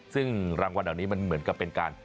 ซึ่งรางวัลเหล่านี้มันเหมือนกับเป็นการ